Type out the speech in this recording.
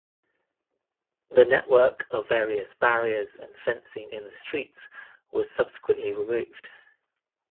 The network of various barriers and fencing in the streets was subsequently removed.